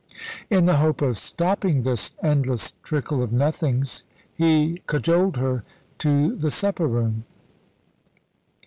In the hope of stopping this endless trickle of nothings he cajoled her to the supper room.